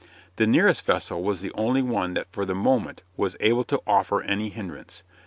The nearest vessel was the only one that for the moment was able to offer any hindrance.